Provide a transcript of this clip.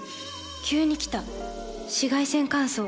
急に来た紫外線乾燥。